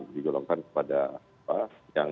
digolongkan kepada yang